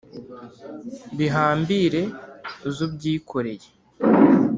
Bihambire uze ubyikoreye!